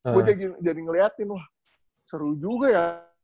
gue jadi ngeliatin wah seru juga ya